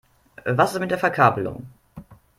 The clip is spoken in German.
Was ist mit der Verkabelung?